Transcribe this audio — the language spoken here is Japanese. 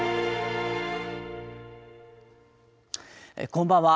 こんばんは。